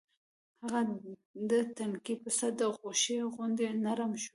هغه د تنکي پسه د غوښې غوندې نرم شو.